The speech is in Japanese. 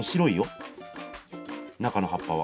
中の葉っぱは。